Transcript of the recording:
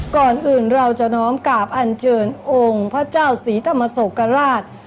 ก่อนอื่นเราจะน้อมกราบอันเชิญองค์พระเจ้าศรีธรรมโศกราช